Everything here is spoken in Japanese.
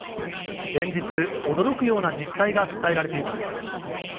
連日、驚くような実態が伝えられています。